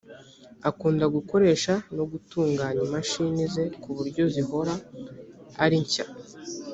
akunda gukoresha no gutunganya imashini ze ku buryo zihora ari nshya